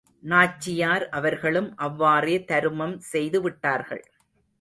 நாச்சியார் அவர்களும் அவ்வாறே தருமம் செய்து விட்டார்கள்.